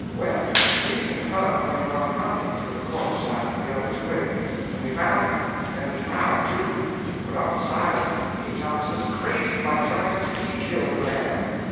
"Well, me and Huck went on hunting for the corpse after the others quit, and we found it. And was proud, too; but Uncle Silas he knocked us crazy by telling us he killed the man.